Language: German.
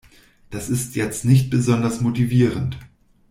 Das ist jetzt nicht besonders motivierend.